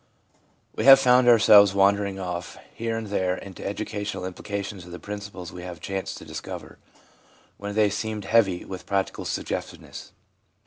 We have found ourselves wandering off, here and there, into the educational implications of the prin ciples we have chanced to discover, when they seemed heavy with practical suggestiveness.